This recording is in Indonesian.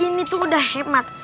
ini tuh udah hemat